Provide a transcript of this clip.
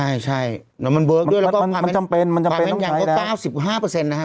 ใช่ใช่แล้วมันเบิร์กด้วยแล้วก็มันจำเป็นมันจำเป็นอย่างก็เก้าสิบห้าเปอร์เซ็นต์นะฮะ